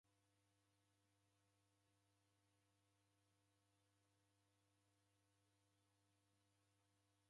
Vimu kughaluka nivo vaw'iareda w'asi kwa w'akulima.